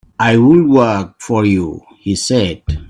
"I'll work for you," he said.